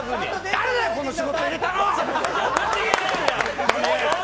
誰だよ、こんな仕事入れたの！